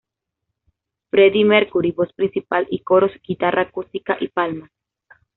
Freddie Mercury: Voz principal y coros, Guitarra acústica y palmas.